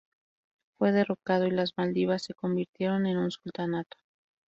Fue derrocado y las Maldivas se convirtieron en un sultanato.